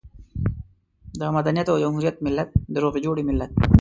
د مدنيت او جمهوريت ملت، د روغې جوړې ملت.